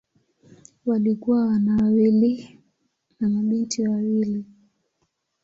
Walikuwa wana wawili na mabinti wawili.